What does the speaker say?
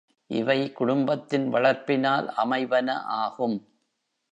இவை குடும்பத்தின் வளர்ப்பினால் அமைவன ஆகும்.